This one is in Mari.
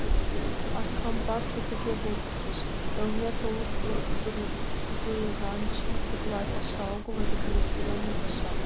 Аркамбаке тыге возыктыш: «Элнет олыкысо пудыранчык — тыглай паша огыл, революционный паша.